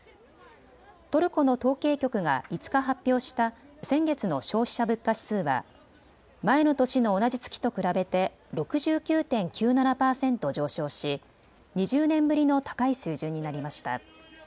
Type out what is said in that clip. トルコの統計局が５日発表した先月の消費者物価指数は前の年の同じ月と比べて６９．９７％上昇し２０年ぶりの高い水準になりました。